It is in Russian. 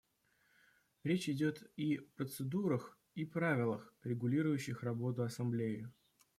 Речь идет и процедурах и правилах, регулирующих работу Ассамблеи.